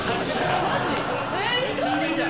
マジ？